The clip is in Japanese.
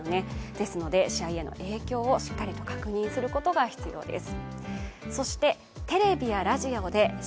ですから影響をしっかりと確認することが重要です。